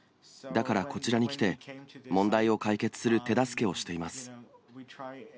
だからこちらに来て、問題を解決する手助けをしています。